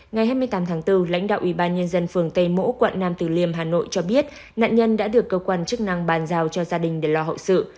ngày hai mươi tám tháng bốn lãnh đạo ủy ban nhân dân phường tây mỗ quận nam từ liêm hà nội cho biết nạn nhân đã được cơ quan chức năng bàn giao cho gia đình để lo hậu sự